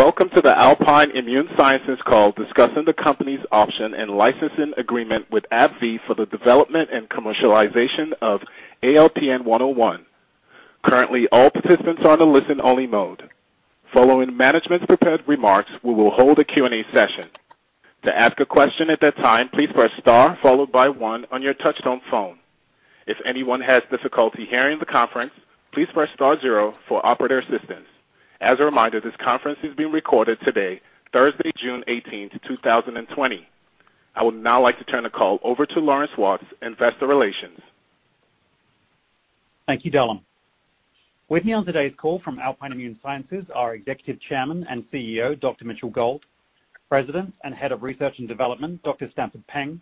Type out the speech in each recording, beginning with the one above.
Welcome to the Alpine Immune Sciences call discussing the company's option and licensing agreement with AbbVie for the development and commercialization of ALPN-101. Currently, all participants are on a listen-only mode. Following management's prepared remarks, we will hold a Q&A session. To ask a question at that time, please press star followed by one on your touchtone phone. If anyone has difficulty hearing the conference, please press star zero for operator assistance. As a reminder, this conference is being recorded today, Thursday, June 18th, 2020. I would now like to turn the call over to Laurence Watts, Investor Relations. Thank you, Dellum. With me on today's call from Alpine Immune Sciences are Executive Chairman and CEO, Dr. Mitchell Gold, President and Head of Research and Development, Dr. Stanford Peng,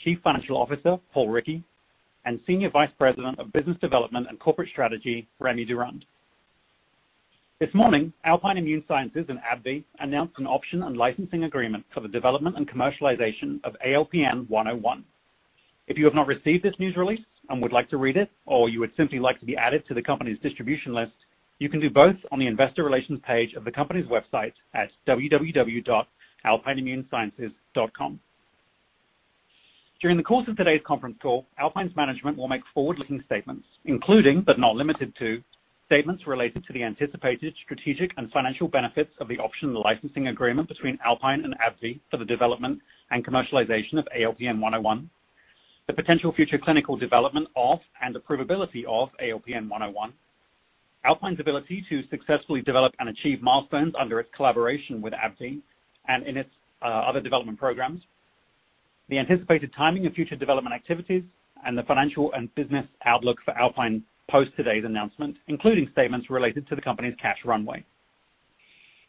Chief Financial Officer, Paul Rickey, and Senior Vice President of Business Development and Corporate Strategy, Remy Durand. This morning, Alpine Immune Sciences and AbbVie announced an option and licensing agreement for the development and commercialization of ALPN-101. If you have not received this news release and would like to read it, or you would simply like to be added to the company's distribution list, you can do both on the investor relations page of the company's website at www.alpineimmunesciences.com. During the course of today's conference call, Alpine's management will make forward-looking statements including but not limited to statements related to the anticipated strategic and financial benefits of the option and licensing agreement between Alpine and AbbVie for the development and commercialization of ALPN-101, the potential future clinical development of and the approvability of ALPN-101, Alpine's ability to successfully develop and achieve milestones under its collaboration with AbbVie and in its other development programs, the anticipated timing of future development activities, and the financial and business outlook for Alpine post today's announcement, including statements related to the company's cash runway.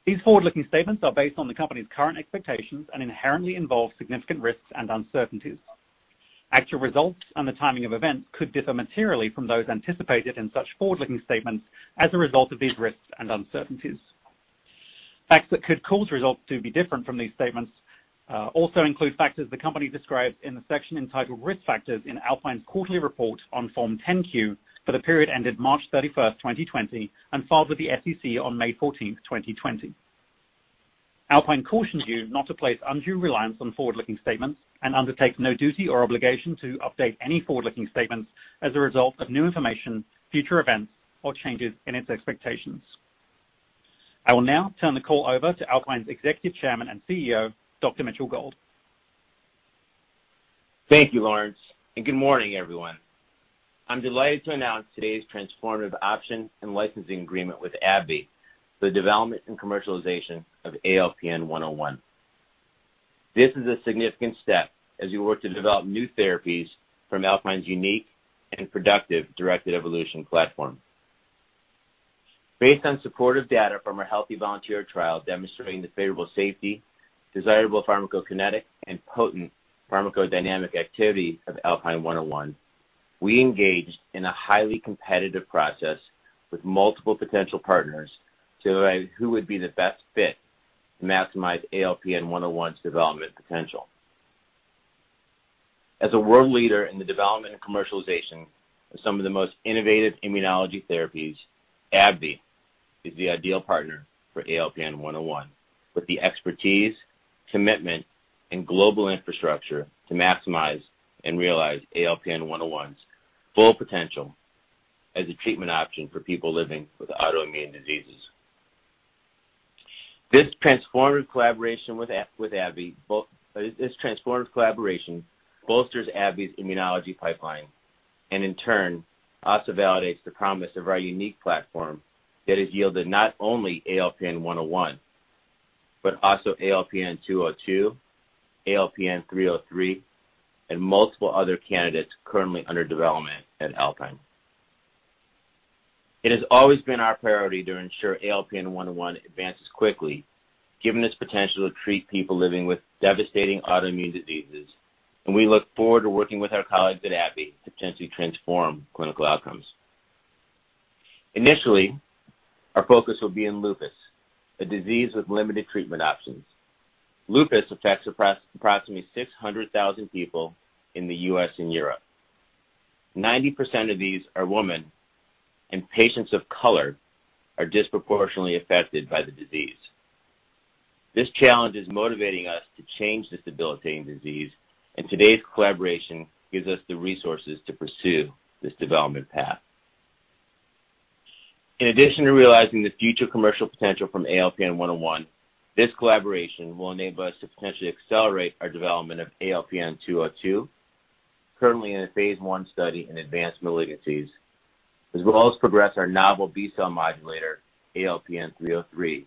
These forward-looking statements are based on the company's current expectations and inherently involve significant risks and uncertainties. Actual results and the timing of events could differ materially from those anticipated in such forward-looking statements as a result of these risks and uncertainties. Facts that could cause results to be different from these statements, also include facts as the company describes in the section entitled Risk Factors in Alpine's quarterly report on Form 10-Q for the period ended March 31st, 2020, and filed with the SEC on May 14th, 2020. Alpine cautions you not to place undue reliance on forward-looking statements and undertakes no duty or obligation to update any forward-looking statements as a result of new information, future events, or changes in its expectations. I will now turn the call over to Alpine's Executive Chairman and CEO, Dr. Mitchell Gold. Thank you, Laurence, and good morning, everyone. I'm delighted to announce today's transformative option and licensing agreement with AbbVie for the development and commercialization of ALPN-101. This is a significant step as we work to develop new therapies from Alpine's unique and productive directed evolution platform. Based on supportive data from our healthy volunteer trial demonstrating the favorable safety, desirable pharmacokinetic, and potent pharmacodynamic activity of ALPN-101, we engaged in a highly competitive process with multiple potential partners to decide who would be the best fit to maximize ALPN-101's development potential. As a world leader in the development and commercialization of some of the most innovative immunology therapies, AbbVie is the ideal partner for ALPN-101, with the expertise, commitment, and global infrastructure to maximize and realize ALPN-101's full potential as a treatment option for people living with autoimmune diseases. This transformative collaboration bolsters AbbVie's immunology pipeline and, in turn, also validates the promise of our unique platform that has yielded not only ALPN-101, but also ALPN-202, ALPN-303, and multiple other candidates currently under development at Alpine. It has always been our priority to ensure ALPN-101 advances quickly, given its potential to treat people living with devastating autoimmune diseases, and we look forward to working with our colleagues at AbbVie to potentially transform clinical outcomes. Initially, our focus will be on lupus, a disease with limited treatment options. Lupus affects approximately 600,000 people in the U.S. and Europe. 90% of these are women, and patients of color are disproportionately affected by the disease. This challenge is motivating us to change this debilitating disease, and today's collaboration gives us the resources to pursue this development path. In addition to realizing the future commercial potential from ALPN-101, this collaboration will enable us to potentially accelerate our development of ALPN-202, currently in a phase I study in advanced malignancies, as well as progress our novel B-cell modulator, ALPN-303,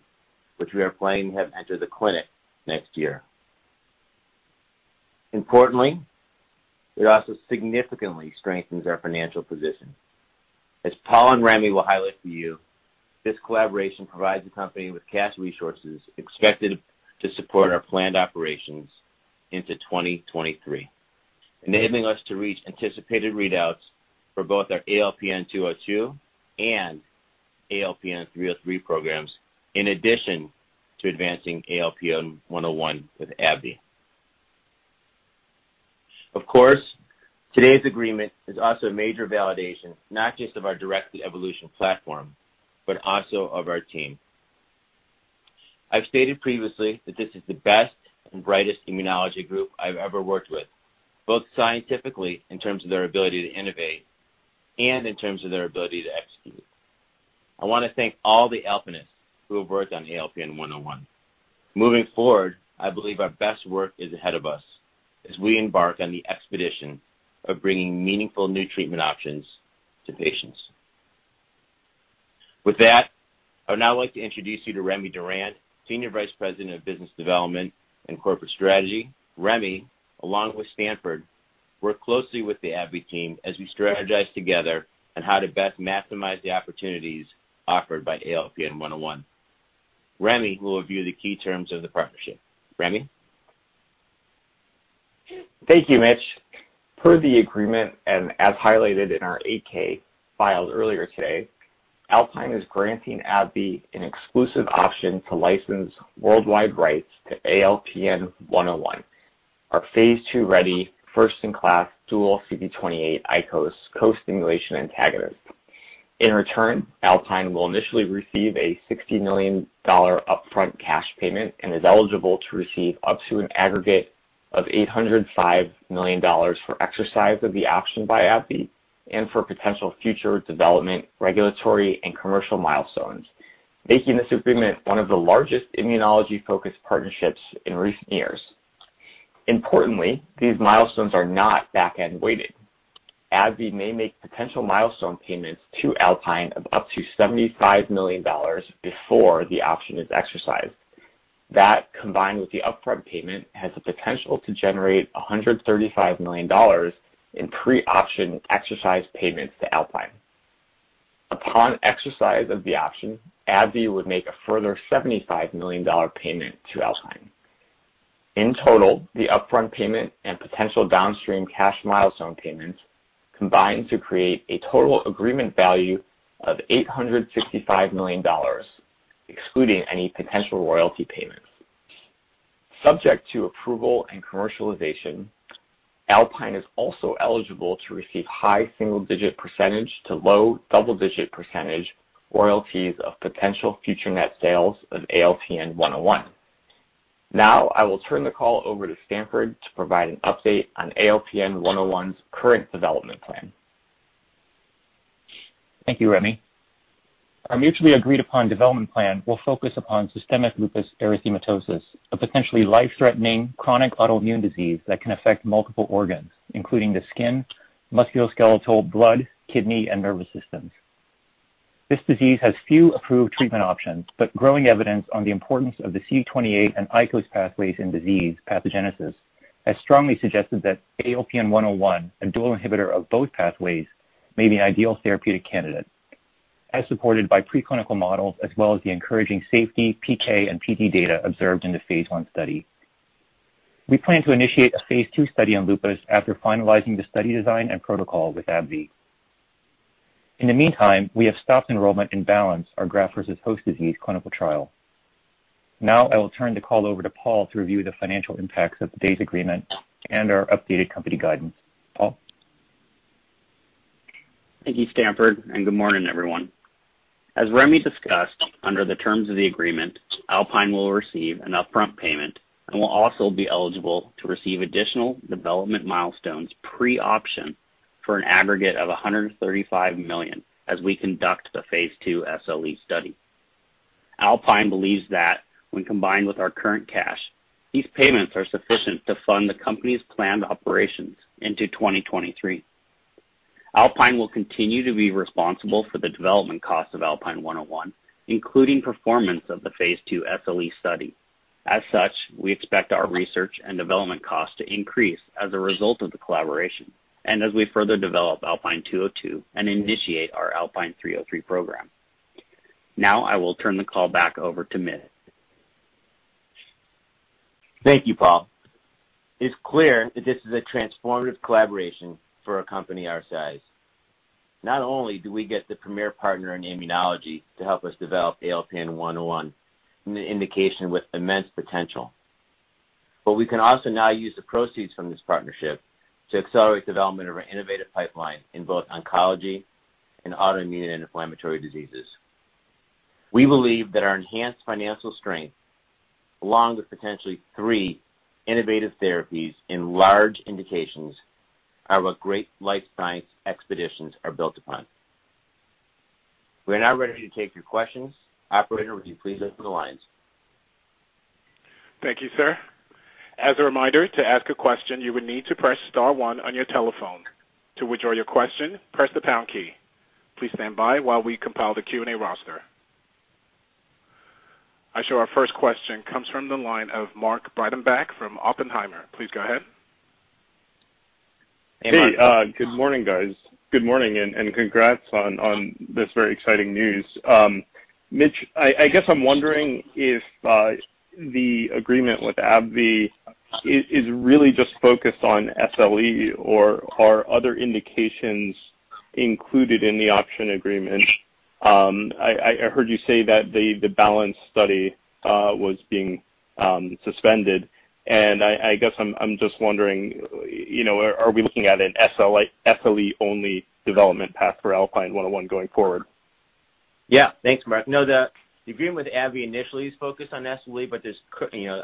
which we are planning to have enter the clinic next year. Importantly, it also significantly strengthens our financial position. As Paul and Remy will highlight for you, this collaboration provides the company with cash resources expected to support our planned operations into 2023, enabling us to reach anticipated readouts for both our ALPN-202 and ALPN-303 programs, in addition to advancing ALPN-101 with AbbVie. Of course, today's agreement is also a major validation, not just of our directed evolution platform, but also of our team. I've stated previously that this is the best and brightest immunology group I've ever worked with, both scientifically in terms of their ability to innovate and in terms of their ability to execute. I want to thank all the Alpinists who have worked on ALPN-101. Moving forward, I believe our best work is ahead of us as we embark on the expedition of bringing meaningful new treatment options to patients. With that, I would now like to introduce you to Remy Durand, Senior Vice President of Business Development and Corporate Strategy. Remy, along with Stanford, worked closely with the AbbVie team as we strategized together on how to best maximize the opportunities offered by ALPN-101. Remy will review the key terms of the partnership. Remy? Thank you, Mitch. Per the agreement, and as highlighted in our 8-K filed earlier today, Alpine is granting AbbVie an exclusive option to license worldwide rights to ALPN-101, our phase II-ready, first-in-class dual CD28/ICOS co-stimulation antagonist. In return, Alpine will initially receive a $60 million upfront cash payment and is eligible to receive up to an aggregate of $805 million for exercise of the option by AbbVie and for potential future development, regulatory, and commercial milestones, making this agreement one of the largest immunology-focused partnerships in recent years. Importantly, these milestones are not back-end weighted. AbbVie may make potential milestone payments to Alpine of up to $75 million before the option is exercised. That, combined with the upfront payment, has the potential to generate $135 million in pre-option exercise payments to Alpine. Upon exercise of the option, AbbVie would make a further $75 million payment to Alpine. In total, the upfront payment and potential downstream cash milestone payments combine to create a total agreement value of $865 million, excluding any potential royalty payments. Subject to approval and commercialization, Alpine is also eligible to receive high single-digit percentage to low double-digit percentage royalties of potential future net sales of ALPN-101. I will turn the call over to Stanford to provide an update on ALPN-101's current development plan. Thank you, Remy. Our mutually agreed-upon development plan will focus upon systemic lupus erythematosus, a potentially life-threatening chronic autoimmune disease that can affect multiple organs, including the skin, musculoskeletal, blood, kidney, and nervous systems. This disease has few approved treatment options, but growing evidence on the importance of the CD28 and ICOS pathways in disease pathogenesis has strongly suggested that ALPN-101, a dual inhibitor of both pathways, may be an ideal therapeutic candidate, as supported by preclinical models as well as the encouraging safety, PK, and PD data observed in the phase I study. We plan to initiate a phase II study on lupus after finalizing the study design and protocol with AbbVie. In the meantime, we have stopped enrollment in BALANCE, our graft versus host disease clinical trial. I will turn the call over to Paul to review the financial impacts of today's agreement and our updated company guidance. Paul? Thank you, Stanford, and good morning, everyone. As Remy discussed, under the terms of the agreement, Alpine will receive an upfront payment and will also be eligible to receive additional development milestones pre-option for an aggregate of $135 million as we conduct the phase II SLE study. Alpine believes that when combined with our current cash, these payments are sufficient to fund the company's planned operations into 2023. Alpine will continue to be responsible for the development cost of ALPN-101, including performance of the phase II SLE study. We expect our research and development costs to increase as a result of the collaboration and as we further develop ALPN-202 and initiate our ALPN-303 program. I will turn the call back over to Mitch. Thank you, Paul. It's clear that this is a transformative collaboration for a company our size. Not only do we get the premier partner in immunology to help us develop ALPN-101 in the indication with immense potential, but we can also now use the proceeds from this partnership to accelerate development of our innovative pipeline in both oncology and autoimmune and inflammatory diseases. We believe that our enhanced financial strength, along with potentially three innovative therapies in large indications, are what great life science expeditions are built upon. We are now ready to take your questions. Operator, would you please open the lines? Thank you, sir. As a reminder, to ask a question, you will need to press star one on your telephone. To withdraw your question, press the pound key. Please stand by while we compile the Q&A roster. I show our first question comes from the line of Mark Breidenbach from Oppenheimer. Please go ahead. Hey, Mark. Good morning, guys. Good morning. Congrats on this very exciting news. Mitch, I guess I'm wondering if the agreement with AbbVie is really just focused on SLE, or are other indications included in the option agreement? I heard you say that the BALANCE study was being suspended. I guess I'm just wondering, are we looking at an SLE-only development path for ALPN-101 going forward? Yeah. Thanks, Mark. No, the agreement with AbbVie initially is focused on SLE, but there's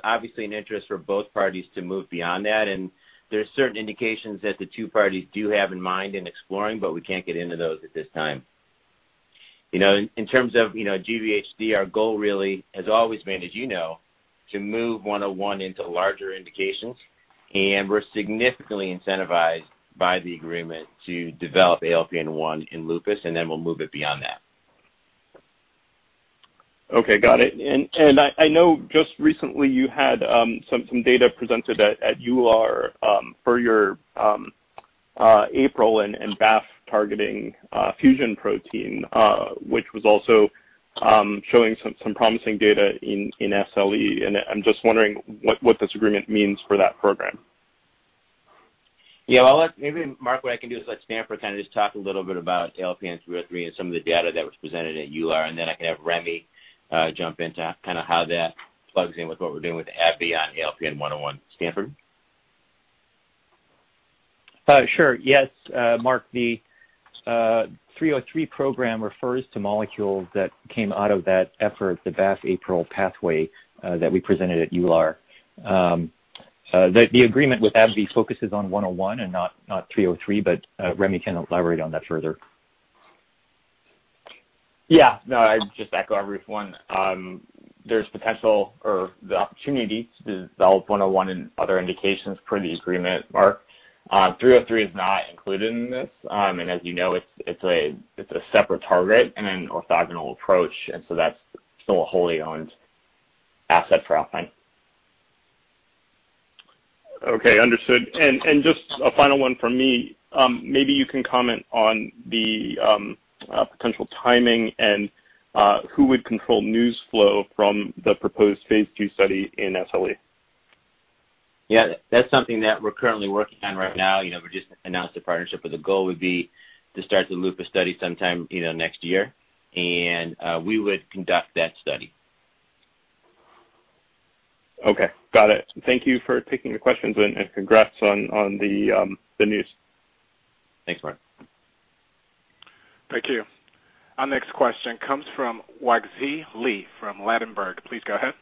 obviously an interest for both parties to move beyond that, and there's certain indications that the two parties do have in mind in exploring, but we can't get into those at this time. In terms of GVHD, our goal really has always been, as you know, to move ALPN-101 into larger indications, and we're significantly incentivized by the agreement to develop ALPN-101 in lupus, and then we'll move it beyond that. Okay, got it. I know just recently you had some data presented at EULAR for your APRIL and BAFF targeting fusion protein, which was also showing some promising data in SLE, and I'm just wondering what this agreement means for that program. Yeah, well, maybe, Mark, what I can do is let Stanford just talk a little bit about ALPN-303 and some of the data that was presented at EULAR, and then I can have Remy jump into how that plugs in with what we're doing with AbbVie on ALPN-101. Stanford? Sure. Yes, Mark, the ALPN-303 program refers to molecules that came out of that effort, the BAFF/APRIL pathway that we presented at EULAR. The agreement with AbbVie focuses on ALPN-101 and not ALPN-303. Remy can elaborate on that further. Yeah. No, I just echo a brief one. One, there's potential or the opportunity to develop ALPN-101 in other indications per the agreement, Mark. ALPN-303 is not included in this. As you know, it's a separate target and an orthogonal approach, and so that's still a wholly owned asset for Alpine. Okay, understood. Just a final one from me. Maybe you can comment on the potential timing and who would control news flow from the proposed phase II study in SLE? Yeah, that's something that we're currently working on right now. We just announced the partnership, but the goal would be to start the lupus study sometime next year, and we would conduct that study. Okay, got it. Thank you for taking the questions, and congrats on the news. Thanks, Mark. Thank you. Our next question comes from Wangzhi Li from Ladenburg. Please go ahead.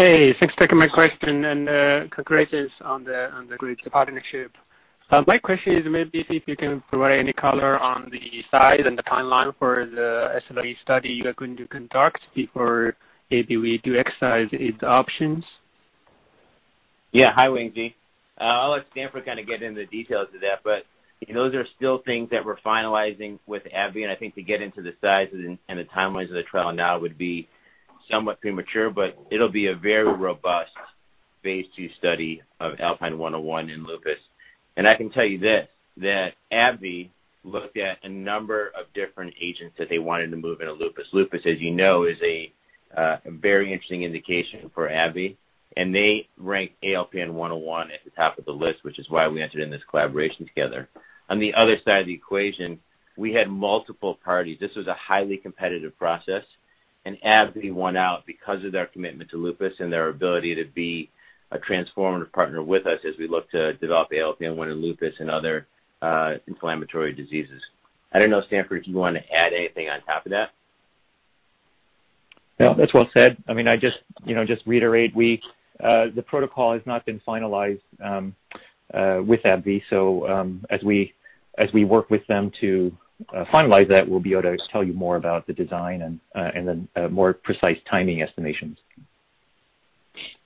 Hey, thanks for taking my question, and congratulations on the great partnership. My question is maybe if you can provide any color on the size and the timeline for the SLE study you are going to conduct before AbbVie exercises its options. Hi, Wangzhi. I'll let Stanford get into the details of that, but those are still things that we're finalizing with AbbVie, and I think to get into the size and the timelines of the trial now would be somewhat premature, but it'll be a very robust phase II study of ALPN-101 in lupus. I can tell you this, that AbbVie looked at a number of different agents that they wanted to move into lupus. Lupus, as you know, is a very interesting indication for AbbVie, and they ranked ALPN-101 at the top of the list, which is why we entered in this collaboration together. On the other side of the equation, we had multiple parties. This was a highly competitive process, and AbbVie won out because of their commitment to lupus and their ability to be a transformative partner with us as we look to develop ALPN-101 in lupus and other inflammatory diseases. I don't know, Stanford, do you want to add anything on top of that? That's well said. I mean, I just reiterate the protocol has not been finalized with AbbVie. As we work with them to finalize that, we'll be able to tell you more about the design and the more precise timing estimations.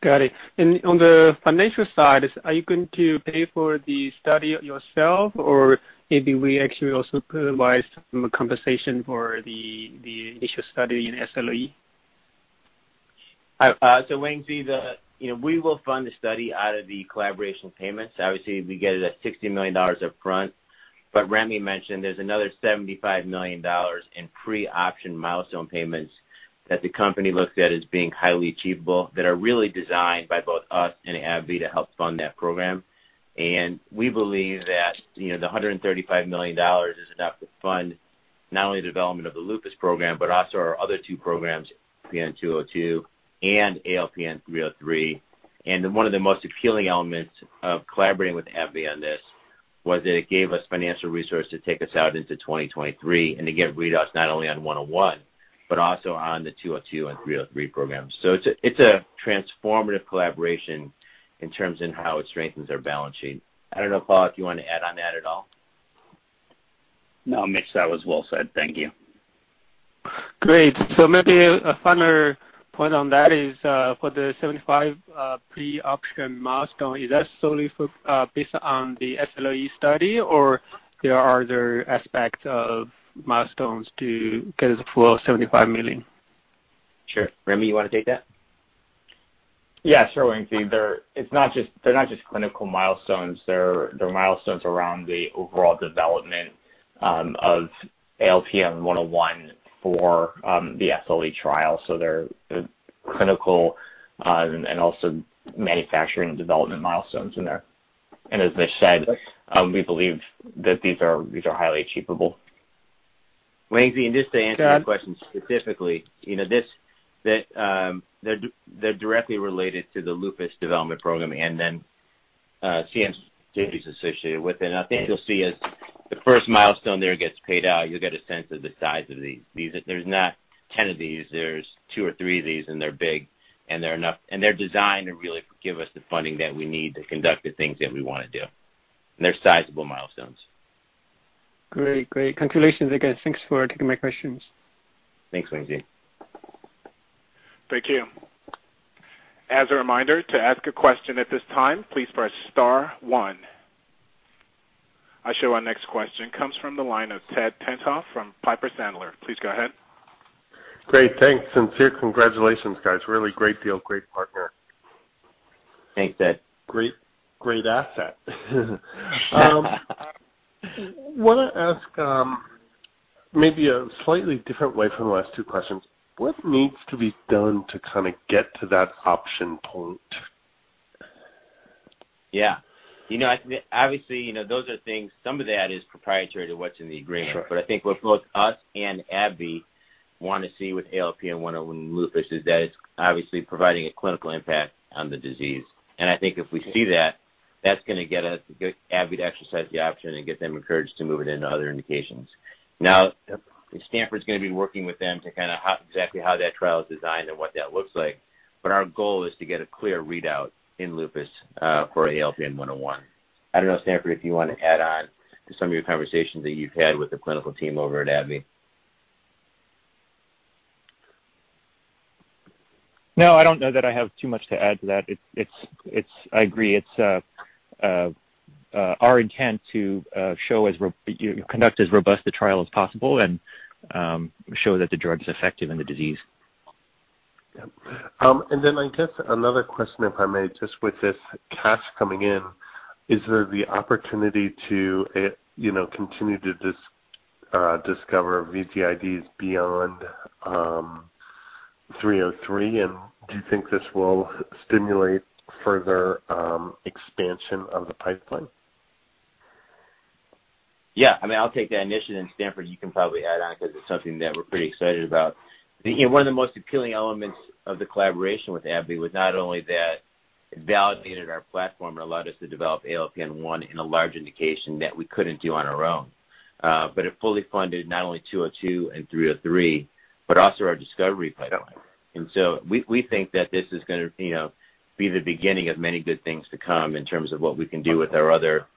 Got it. On the financial side, are you going to pay for the study yourself, or maybe we actually also realize some compensation for the initial study in SLE? Wangzhi, we will fund the study out of the collaboration payments. Obviously, we get it at $60 million up front, but Remy mentioned there's another $75 million in pre-option milestone payments that the company looks at as being highly achievable that are really designed by both us and AbbVie to help fund that program. We believe that the $135 million is enough to fund not only the development of the lupus program but also our other two programs, ALPN-202 and ALPN-303. One of the most appealing elements of collaborating with AbbVie on this was that it gave us financial resource to take us out into 2023 and to get readouts not only on ALPN-101 but also on the ALPN-202 and ALPN-303 programs. It's a transformative collaboration in terms of how it strengthens our balance sheet. I don't know, Paul, if you want to add on that at all. No, Mitch, that was well said. Thank you. Great. Maybe a final point on that is for the $75 pre-option milestone, is that solely based on the SLE study, or there are other aspects of milestones to get us a full $75 million? Sure. Remy, you want to take that? Yeah, sure, Wangzhi. They're not just clinical milestones. They're milestones around the overall development of ALPN-101 for the SLE trial. They're clinical and also manufacturing development milestones in there. As Mitch said, we believe that these are highly achievable. Wangzhi, just to answer your question specifically, they're directly related to the lupus development program and then CMC duties associated with it. I think you'll see as the first milestone there gets paid out, you'll get a sense of the size of these. There's not 10 of these. There's two or three of these, they're big, they're enough. They're designed to really give us the funding that we need to conduct the things that we want to do. They're sizable milestones. Great. Congratulations, again. Thanks for taking my questions. Thanks, Wangzhi. Thank you. As a reminder, to ask a question at this time, please press star one. I show our next question comes from the line of Ted Tenthoff from Piper Sandler. Please go ahead. Great. Thanks. Sincere congratulations, guys. Really great deal, great partner. Thanks, Ted. Great asset. I want to ask maybe a slightly different way from the last two questions. What needs to be done to get to that option point? Yeah. Obviously, some of that is proprietary to what's in the agreement. Sure. I think what both us and AbbVie want to see with ALPN-101 lupus is that it's obviously providing a clinical impact on the disease. I think if we see that's going to get AbbVie to exercise the option and get them encouraged to move it into other indications. Stanford's going to be working with them to kind of exactly how that trial is designed and what that looks like. Our goal is to get a clear readout in lupus for ALPN-101. I don't know, Stanford, if you want to add on to some of your conversations that you've had with the clinical team over at AbbVie. No, I don't know that I have too much to add to that. I agree. It's our intent to conduct as robust a trial as possible and show that the drug's effective in the disease. Yeah. I guess, another question, if I may, just with this cash coming in, is there the opportunity to continue to discover vIgDs beyond ALPN-303, and do you think this will stimulate further expansion of the pipeline? Yeah. I'll take that initially, and Stanford, you can probably add on because it's something that we're pretty excited about. One of the most appealing elements of the collaboration with AbbVie was not only that it validated our platform and allowed us to develop ALPN-101 in a large indication that we couldn't do on our own, but it fully funded not only ALPN-202 and ALPN-303, but also our discovery pipeline. We think that this is going to be the beginning of many good things to come in terms of what we can do with our other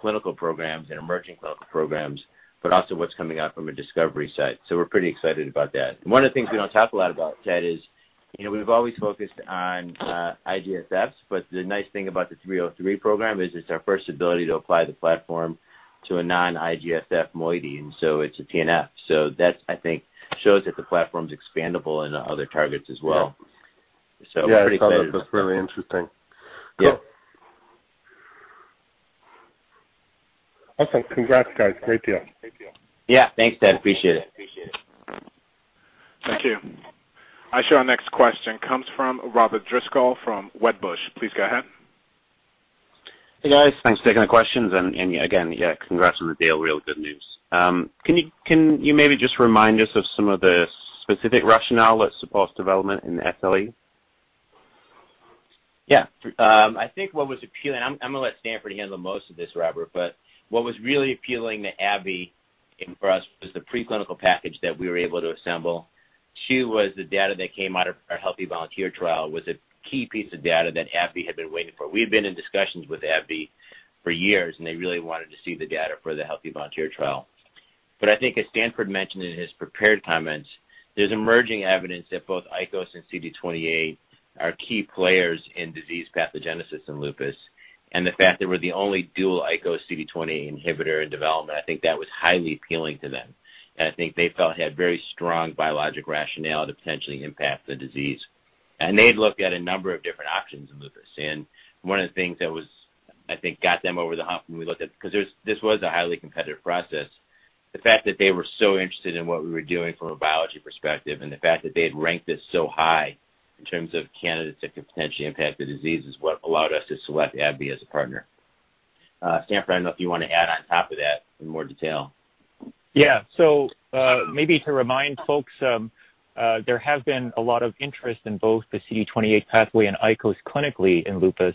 clinical programs and emerging clinical programs, but also what's coming out from a discovery side. We're pretty excited about that. One of the things we don't talk a lot about, Ted, is we've always focused on IgSFs, but the nice thing about the ALPN-303 program is it's our first ability to apply the platform to a non-IgSF moiety, it's a TNF. That, I think, shows that the platform's expandable into other targets as well. We're pretty excited. Yeah, I thought that was really interesting. Yeah. Awesome. Congrats, guys. Great deal. Yeah. Thanks, Ted. Appreciate it. Thank you. I show our next question comes from Robert Driscoll from Wedbush. Please go ahead. Hey, guys. Thanks for taking the questions, and again, yeah, congrats on the deal. Real good news. Can you maybe just remind us of some of the specific rationale that supports development in SLE? Yeah. I'm going to let Stanford handle most of this, Robert, what was really appealing to AbbVie and for us was the preclinical package that we were able to assemble. Two was the data that came out of our healthy volunteer trial was a key piece of data that AbbVie had been waiting for. We had been in discussions with AbbVie for years, they really wanted to see the data for the healthy volunteer trial. I think as Stanford mentioned in his prepared comments, there's emerging evidence that both ICOS and CD28 are key players in disease pathogenesis in lupus. The fact that we're the only dual ICOS CD28 inhibitor in development, I think that was highly appealing to them, and I think they felt had very strong biologic rationale to potentially impact the disease. They'd looked at a number of different options in lupus, and one of the things that was, I think, got them over the hump when we looked at. Because this was a highly competitive process. The fact that they were so interested in what we were doing from a biology perspective and the fact that they had ranked us so high in terms of candidates that could potentially impact the disease is what allowed us to select AbbVie as a partner. Stanford, I don't know if you want to add on top of that in more detail. Maybe to remind folks, there has been a lot of interest in both the CD28 pathway and ICOS clinically in lupus.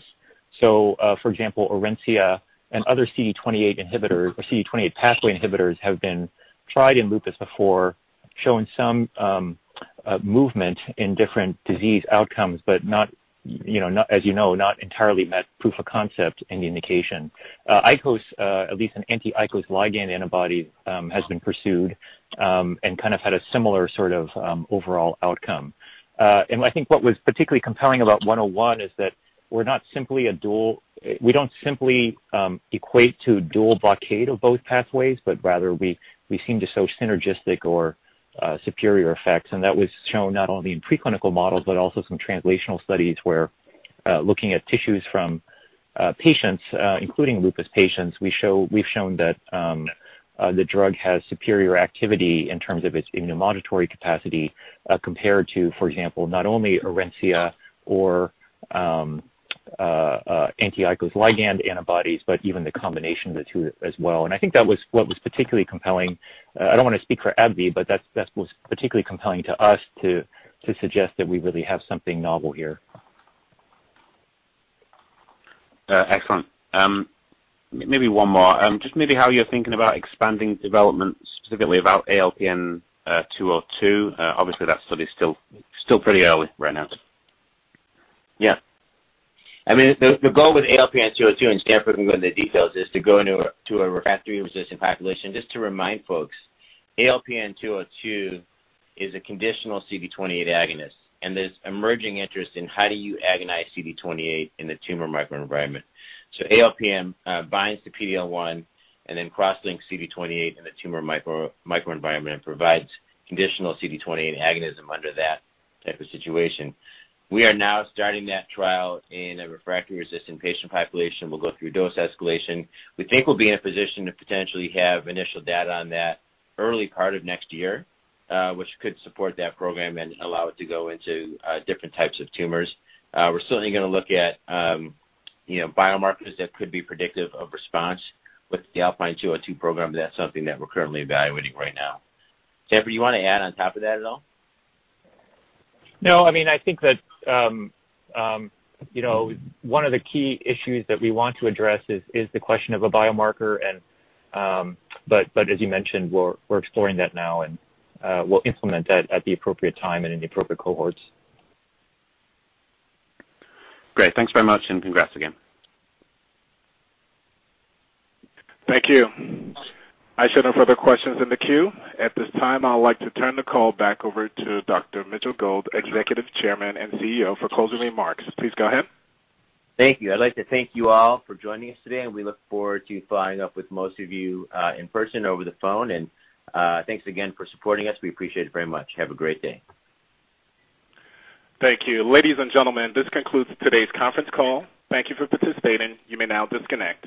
For example, ORENCIA and other CD28 pathway inhibitors have been tried in lupus before, showing some movement in different disease outcomes, but as you know, not entirely met proof of concept in the indication. ICOS, at least an anti-ICOS ligand antibody, has been pursued, and kind of had a similar sort of overall outcome. I think what was particularly compelling about ALPN-101 is that we don't simply equate to dual blockade of both pathways, but rather we seem to show synergistic or superior effects, and that was shown not only in preclinical models, but also some translational studies where looking at tissues from patients, including lupus patients, we've shown that the drug has superior activity in terms of its immunomodulatory capacity compared to, for example, not only ORENCIA or anti-ICOS ligand antibodies, but even the combination of the two as well. I think that was what was particularly compelling. I don't want to speak for AbbVie, but that was particularly compelling to us to suggest that we really have something novel here. Excellent. Maybe one more. Just maybe how you're thinking about expanding development specifically about ALPN-202. Obviously, that study is still pretty early right now. Yeah. I mean, the goal with ALPN-202, and Stanford will go into the details, is to go into a refractory-resistant population. Just to remind folks, ALPN-202 is a conditional CD28 agonist, and there's emerging interest in how you agonize CD28 in the tumor microenvironment. ALPN binds to PD-L1 and then cross-links CD28 in the tumor microenvironment and provides conditional CD28 agonism under that type of situation. We are now starting that trial in a refractory-resistant patient population. We'll go through dose escalation. We think we'll be in a position to potentially have initial data on that early part of next year, which could support that program and allow it to go into different types of tumors. We're certainly going to look at biomarkers that could be predictive of response with the ALPN-202 program. That's something that we're currently evaluating right now. Stanford, you want to add on top of that at all? No, I think that one of the key issues that we want to address is the question of a biomarker. As you mentioned, we're exploring that now, and we'll implement that at the appropriate time and in the appropriate cohorts. Great. Thanks very much, and congrats again. Thank you. I show no further questions in the queue. At this time, I'd like to turn the call back over to Dr. Mitchell Gold, Executive Chairman and CEO, for closing remarks. Please go ahead. Thank you. I'd like to thank you all for joining us today, and we look forward to following up with most of you in person over the phone. Thanks again for supporting us. We appreciate it very much. Have a great day. Thank you. Ladies and gentlemen, this concludes today's conference call. Thank you for participating. You may now disconnect.